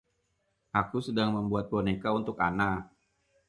Aku sedang membuat boneka untuk Anna.